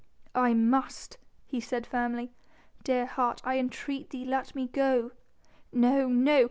"I must," he said firmly. "Dear heart, I entreat thee let me go." "No no